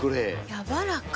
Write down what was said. やわらか。